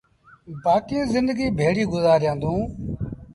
بآڪيٚݩ زندگيٚ ڀيڙيٚ گُزآريآݩدوݩ